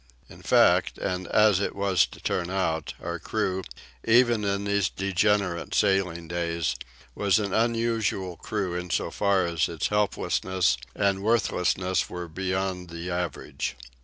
In fact, and as it was to turn out, our crew, even in these degenerate sailing days, was an unusual crew in so far as its helplessness and worthlessness were beyond the average.